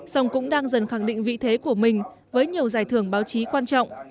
song cũng đang dần khẳng định vị thế của mình với nhiều giải thưởng báo chí quan trọng